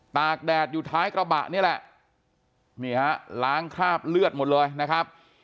กแดดอยู่ท้ายกระบะนี่แหละนี่ฮะล้างคราบเลือดหมดเลยนะครับ